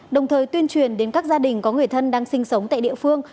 đồng thời tuyên truyền đến các gia đình có người thân đang sinh sống tại địa phương